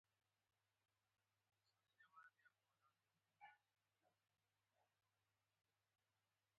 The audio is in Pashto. استاد د شاګرد د بریا ملاتړ کوي.